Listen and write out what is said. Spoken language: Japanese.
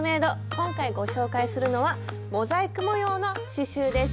今回ご紹介するのはモザイク模様の刺しゅうです。